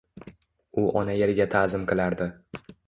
U ona yeriga taʼzim qilardi.